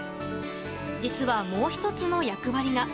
実は、もう１つの役割が。